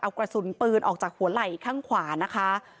เอากระสุนปืนออกจากหัวไหล่ข้างขวานะคะ